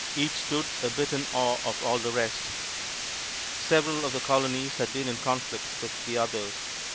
Each stood a bit in awe of all the rest. Several of the Colonies had been in conflict with the others.